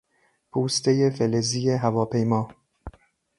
پوستهی فلزی هواپیما